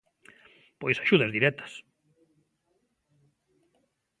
Pois axudas directas.